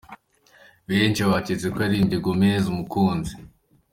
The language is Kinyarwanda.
Benshi baketse ko yayirimbiye Gomez umukunzi.